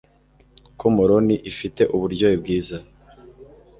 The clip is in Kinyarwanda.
Ko moroni ifite uburyohe bwiza